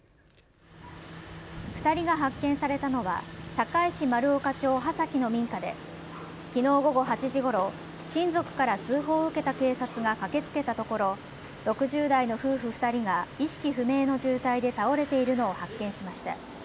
２人が発見されたのは坂井市丸岡町羽崎の民家で昨日午後８時ごろ親族から通報を受けた警察が駆けつけたところ６０代の夫婦２人が意識不明の重体で倒れているのを発見しました。